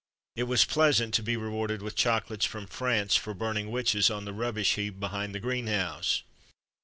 It was pleasant to be rewarded with chocolates from France for burning THE BOY IN THE GARDEN 121 witches on the rubbish heap behind the greenhouse.